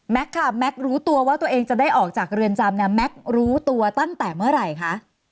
แมคค่ะแมครู้ตัวว่าตัวเองจะได้ออกจากเรือนจำแมครู้ตัวตั้งแต่เมื่อไหร่ค่ะ